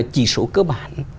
chỉ số cơ bản